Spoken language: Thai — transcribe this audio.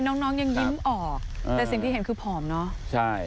น้องน้องยังยิ้มออกแต่สิ่งที่เห็นคือผอมเนอะใช่